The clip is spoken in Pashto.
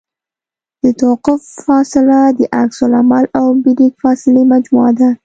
د توقف فاصله د عکس العمل او بریک فاصلې مجموعه ده